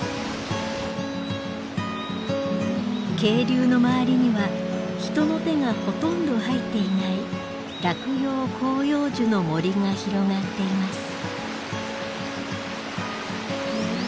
渓流の周りには人の手がほとんど入っていない落葉広葉樹の森が広がっています。